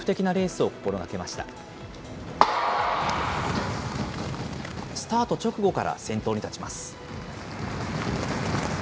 スタート直後から先頭に立ちます。